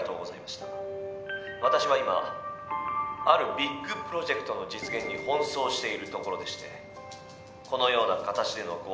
私は今あるビッグプロジェクトの実現に奔走しているところでしてこのような形でのご挨拶失礼いたします。